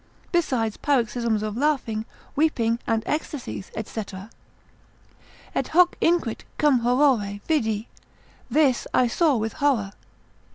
besides paroxysms of laughing, weeping and ecstasies, &c. Et hoc (inquit) cum horore vidi, this I saw with horror.